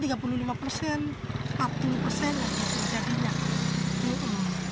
empat puluh nggak bisa jadinya